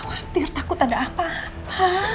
hampir takut ada apa apa